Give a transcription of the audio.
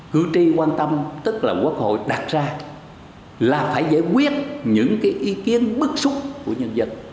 cử tri quan tâm tức là quốc hội đặt ra là phải giải quyết những ý kiến bức xúc của nhân dân